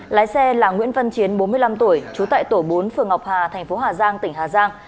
lái xe là nguyễn văn chiến bốn mươi năm tuổi trú tại tổ bốn phường ngọc hà thành phố hà giang tỉnh hà giang